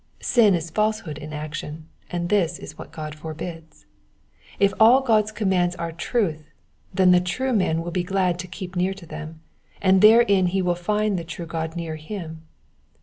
Sin is falsehood in action, and this is what God forbids. If all God^s com mands are truth, then the true man will be glad to keep near to them, and therein he will find the true God near him.